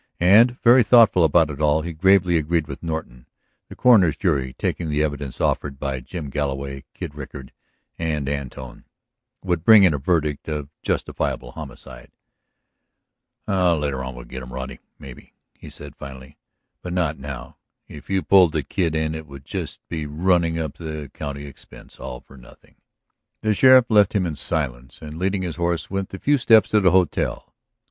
And, very thoughtful about it all, he gravely agreed with Norton; the coroner's jury, taking the evidence offered by Jim Galloway, Kid Rickard, and Antone, would bring in a verdict of justifiable homicide. "Later on we'll get 'em, Roddy ... mebbe," he said finally. "But not now. If you pulled the Kid it would just be running up the county expense all for nothing." The sheriff left him in silence and leading his horse went the few steps to the hotel.